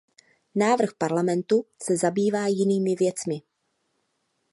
Návrh Parlamentu se zabývá jinými věcmi.